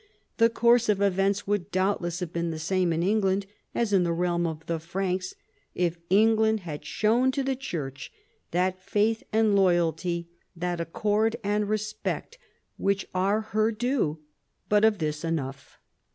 The course of events would doubtless have been the same in England as in the realm of the Franks if England had shown to the Church that faith and loyalty, that accord and respect which are her due. But of this enough."